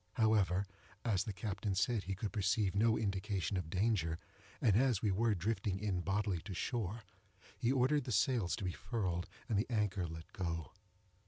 However, as the captain said he could perceive no indication of danger, and as we were drifting in bodily to shore, he ordered the sails to be furled, and the anchor let go.